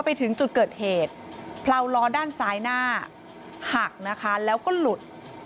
ไปถึงจุดเกิดเหตุเผลาล้อด้านซ้ายหน้าหักนะคะแล้วก็หลุด